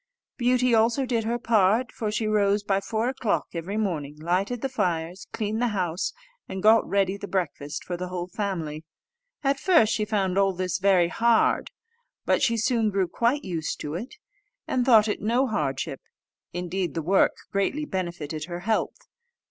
Beauty also did her part, for she rose by four o'clock every morning, lighted the fires, cleaned the house, and got ready the breakfast for the whole family. At first she found all this very hard; but she soon grew quite used to it, and thought it no hardship; indeed, the work greatly benefited her health.